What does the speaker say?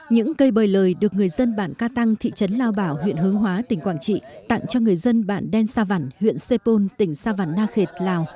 những cây bời lời được người dân bản ca tăng thị trấn lao bảo huyện hướng hóa tỉnh quảng trị tặng cho người dân bản đen sa văn huyện sê pôn tỉnh sa văn na khệt lào